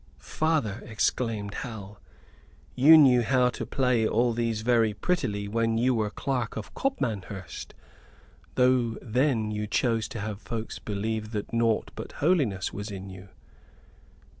"Father," exclaimed Hal, "you knew how to play all these very prettily when you were Clerk of Copmanhurst, though then you chose to have folks believe that naught but holiness was in you."